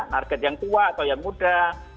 target yang tua atau yang muda